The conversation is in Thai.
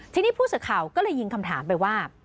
ทีนี้ผู้สื่อข่าวก็เลยยิงคำถามไปว่า